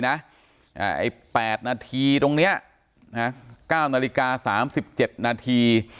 ๘นาทีตรงนี้๙นาฬิกา๓๗นาที